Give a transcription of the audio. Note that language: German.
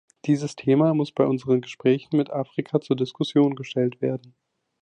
Dieses Thema muss bei unseren Gesprächen mit Afrika zur Diskussion gestellt werden.